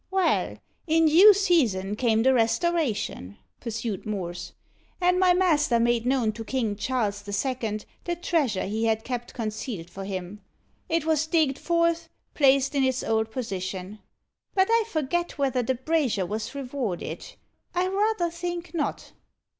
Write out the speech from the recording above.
"Well, in due season came the Restoration," pursued Morse; "and my master made known to King Charles the Second the treasure he had kept concealed for him. It was digged forth, placed in its old position but I forget whether the brazier was rewarded. I rather think not."